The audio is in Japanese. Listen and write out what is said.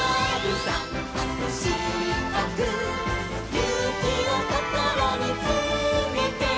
「ゆうきをこころにつめて」